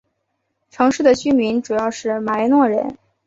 城市的居民主要是马来诺人。